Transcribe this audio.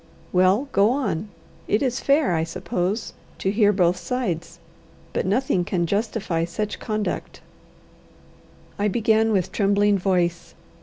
"Well go on. It is fair, I suppose, to hear both sides. But nothing can justify such conduct." I began with trembling voice.